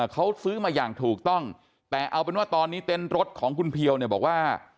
เขาซื้อมาอย่างถูกต้องแต่เอาเป็นว่าตอนนี้เต็นต์รถของคุณเพียวเนี่ยบอกว่า